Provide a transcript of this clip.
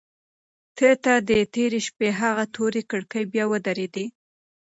ده ته د تېرې شپې هغه تورې کړکۍ بیا ودرېدې.